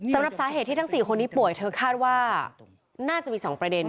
สำหรับสาเหตุที่ทั้ง๔คนนี้ป่วยเธอคาดว่าน่าจะมี๒ประเด็น